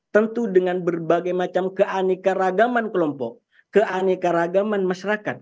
tentu dengan berbagai macam keanekaragaman kelompok keanekaragaman masyarakat